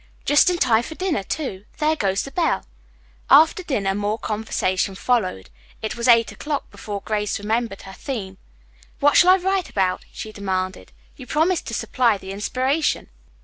"Just in time for dinner, too. There goes the bell." After dinner more conversation followed. It was eight o'clock before Grace remembered her theme. "What shall I write about?" she demanded. "You promised to supply the inspiration."